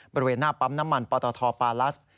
บริเวณหน้าปั๊มน้ำมันปตทปาลัส